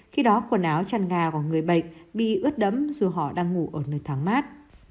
khi đó quần áo chăn gà của người bệnh bị ướt đấm dù họ đang ngủ ở nơi thoáng mát